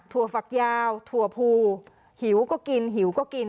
ฝักยาวถั่วภูหิวก็กินหิวก็กิน